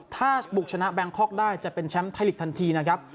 ถ้าบุกชนะแบงคอกได้จะเป็นแชมป์ไทยลีกทันทีนะครับ